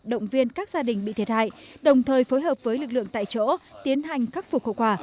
động viên các gia đình bị thiệt hại đồng thời phối hợp với lực lượng tại chỗ tiến hành khắc phục hậu quả